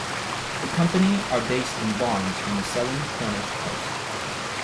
The company are based in barns on the southern Cornish coast.